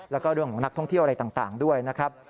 แล้วก็เรื่องของนักท่องเที่ยวอะไรต่างด้วยนะครับ